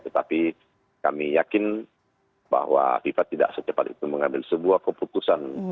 tetapi kami yakin bahwa fifa tidak secepat itu mengambil sebuah keputusan